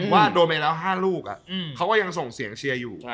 ว่าโดนไปแล้ว๕ลูกเขาก็ยังส่งเสียงเชียร์อยู่